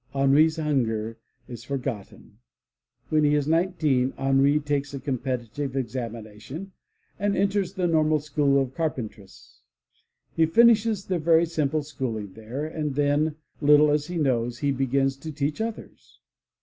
Henri's hunger is forgotten. When he is nineteen, Henri takes a competitive examination and enters the normal school of Carpentras. He finishes the very simple schooling there, and then, little as he knows, he begins to teach others.